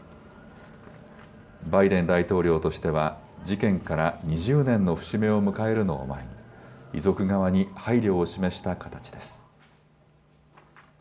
バイデン大統領としては事件から２０年の節目を迎えるのを前に遺族側に配慮を示した形です。